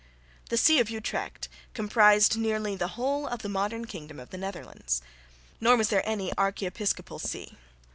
The See of Utrecht comprised nearly the whole of the modern kingdom of the Netherlands. Nor was there any archiepiscopal see.